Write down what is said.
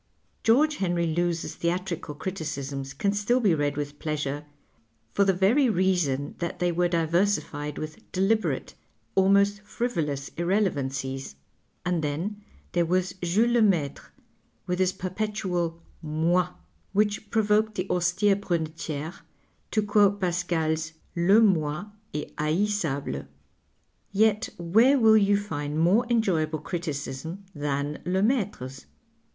George Henry Lewes's theatrical criticisms can still be read with pleasure for the very reason that they were diversified with deliberate, almost frivolous irrelevancies. And then there was Jules Lemaitrc with his perpetual " moi," which provoked the austere Brunetiere to quote Pascal's " le inoi est haissable.'' Yet where will you find more enjoyable criticism than Lemaitre's